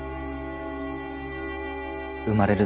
生まれる